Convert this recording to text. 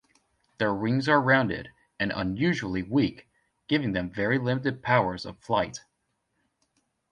Their wings are rounded and unusually weak, giving them very limited powers of flight.